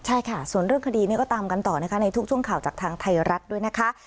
ใช่ค่ะส่วนเรื่องคดีนี้ก็ตามกันต่อนะคะในทุกช่วงข่าวจากทางไทยรัฐด้วยนะคะ